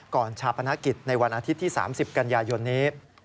ชาปนกิจในวันอาทิตย์ที่๓๐กันยายนนี้